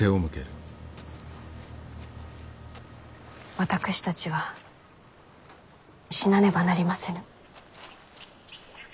私たちは死なねばなりませぬ。